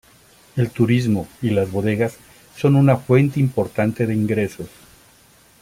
El turismo y las bodegas son una fuente importante de ingresos.